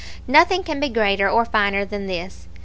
"Nothing can be greater or finer than this.